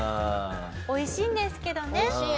美味しいんですけどね